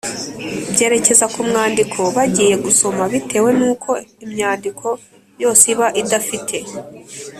byerekeza ku mwandiko bagiye gusoma. Bitewe n’uko imyandiko yose iba idafite